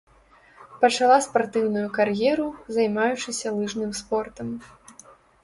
Пачала спартыўную кар'еру, займаючыся лыжным спортам.